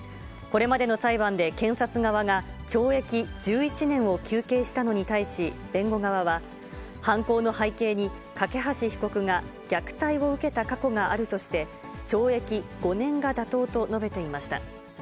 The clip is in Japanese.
これまでの裁判で検察側が懲役１１年を求刑したのに対し、弁護側は、犯行の背景に梯被告が虐待を受けた過去があるとして、懲役５年が妥当と述べていました。